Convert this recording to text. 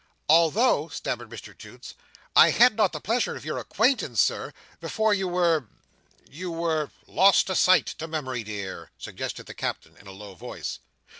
"Although," stammered Mr Toots, "I had not the pleasure of your acquaintance, Sir, before you were—you were—" "Lost to sight, to memory dear," suggested the Captain, in a low voice.